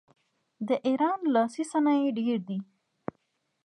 د ایران لاسي صنایع ډیر دي.